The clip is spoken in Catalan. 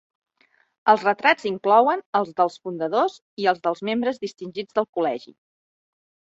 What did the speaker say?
Els retrats inclouen els dels fundadors i els membres distingits del col·legi.